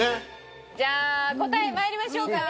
じゃあ答えまいりましょうかね。